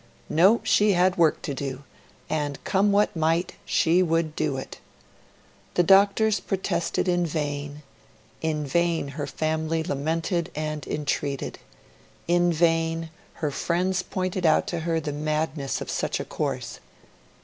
No; she had work to do; and, come what might, she would do it. The doctors protested in vain; in vain her family lamented and entreated; in vain her friends pointed out to her the madness of such a course.